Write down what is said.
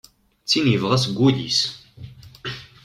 D tin yebɣa seg wul-is.